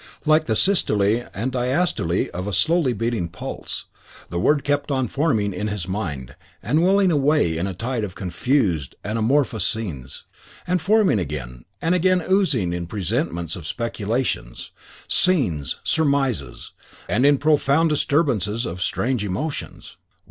Like the systole and diastole of a slowly beating pulse, the word kept on forming in his mind and welling away in a tide of confused and amorphous scenes; and forming again; and again oozing in presentments of speculations, scenes, surmises, and in profound disturbances of strange emotions.